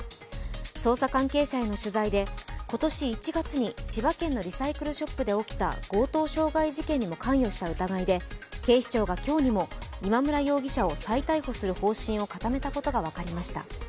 捜査関係者への取材で今年１月に千葉県のリサイクルショップで起きた強盗傷害事件にも関与した疑いで警視庁が今日にも今村容疑者を再逮捕する方針を固めたことが分かりました。